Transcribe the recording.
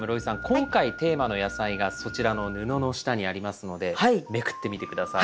今回テーマの野菜がそちらの布の下にありますのでめくってみて下さい。